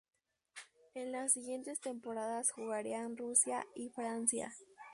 En las siguientes temporadas jugaría en Rusia y Francia.